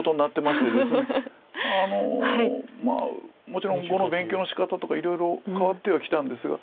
まあもちろん碁の勉強のしかたとかいろいろ変わってはきたんですが。